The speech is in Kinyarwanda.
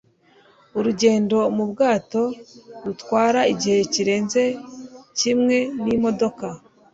Urugendo mu bwato rutwara igihe kirenze kimwe n'imodoka.